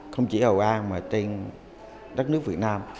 không chỉ ở âu an mà trên đất nước việt nam